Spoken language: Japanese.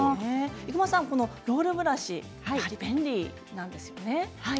伊熊さん、ロールブラシ便利なんですよね。